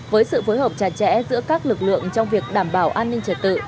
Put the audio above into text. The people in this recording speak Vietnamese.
với sự phối hợp chặt chẽ giữa các lực lượng trong việc đảm bảo an ninh trật tự